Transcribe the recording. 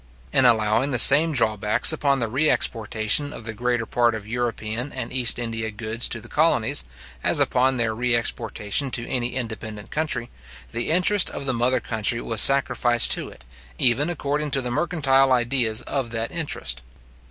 In allowing the same drawbacks upon the re exportation of the greater part of European and East India goods to the colonies, as upon their re exportation to any independent country, the interest of the mother country was sacrificed to it, even according to the mercantile ideas of that interest.